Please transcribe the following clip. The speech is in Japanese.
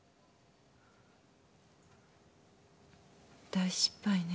大失敗ね。